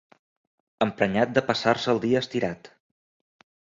Emprenyat de passar-se el dia estirat.